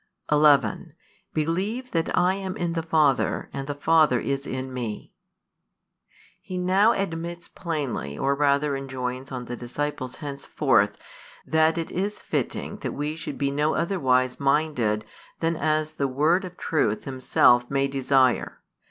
11 Believe that I am in the Father, and the Father is in Me He now admits plainly, or rather enjoins on the disciples henceforth, that it is fitting that we should be no otherwise minded than as the Word of Truth Himself may desire.